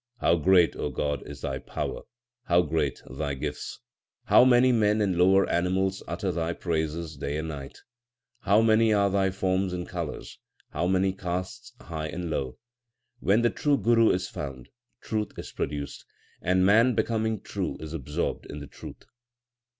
How great, O God, is Thy power ! how great Thy gifts ! How many men and lower animals utter Thy praises day and night ! How many are Thy forms and colours ! how many castes high and low ! When the true Guru is found, truth is produced, and man becoming true is absorbed in the truth.